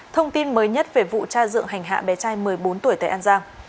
thông tin mới nhất về vụ tra dựng hành hạ bé trai một mươi bốn tuổi tại an giang